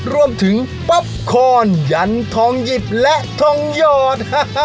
รวมถึงป๊อปคอร์นยันทองหยิบและทองหยอด